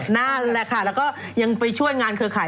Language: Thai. นั่นแหละค่ะแล้วก็ยังไปช่วยงานเครือข่าย